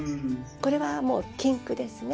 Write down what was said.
これはもう禁句ですね。